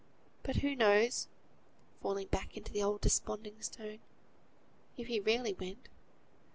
But, who knows" (falling back into the old desponding tone) "if he really went?